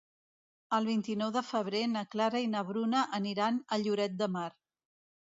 El vint-i-nou de febrer na Clara i na Bruna aniran a Lloret de Mar.